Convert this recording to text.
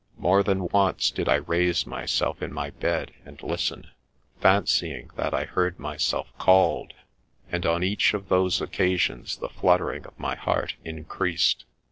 More than once did I raise myself in my bed and listen, fancying that I heard myself called, and on each of those occasions the fluttering of my heart increased.